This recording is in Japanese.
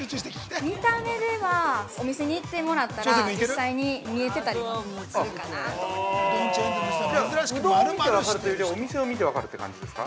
◆見た目ではお店に行ってもらったら実際に見えてたりはするかなと思います。